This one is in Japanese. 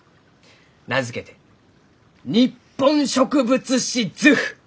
名付けて「日本植物志図譜」。